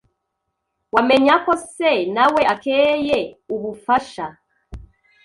Wamenyako se nawe akeye ubufasha…